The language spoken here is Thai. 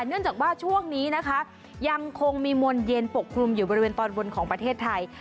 เนื่องจากว่าช่วงนี้นะคะยังคงมีมวลเย็นปกคลุมอยู่บริเวณตอนบนของประเทศไทย